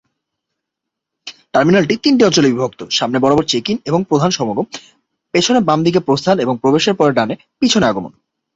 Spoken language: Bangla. টার্মিনালটি তিনটি অঞ্চলে বিভক্ত: সামনে বরাবর চেক-ইন এবং প্রধান সমাগম, পিছনে বাম দিকে প্রস্থান এবং প্রবেশের পরে ডানে পিছনে আগমন।